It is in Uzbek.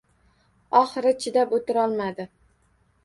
Oxiri chidab o‘tirolmadi.